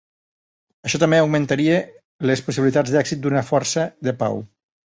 Això també augmentaria les possibilitats d'èxit d'una força de pau.